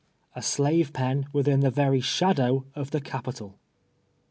A slave pen within the very sliadow of the Capitol!